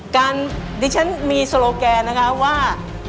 การดิฉันมีโสโลแกนนะครับว่า